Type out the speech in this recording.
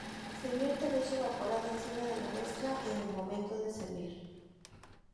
Se vierte leche evaporada encima de la mezcla en el momento de servir.